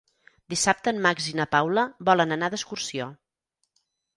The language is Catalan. Dissabte en Max i na Paula volen anar d'excursió.